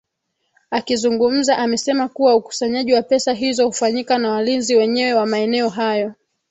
Akizungumza amesema kuwa Ukusanyaji wa pesa hizo hufanyika na walinzi wenyewe wa maeneo hayo